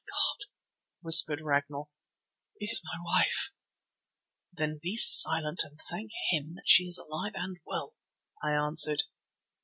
"My God!" whispered Ragnall, "it is my wife!" "Then be silent and thank Him that she is alive and well," I answered.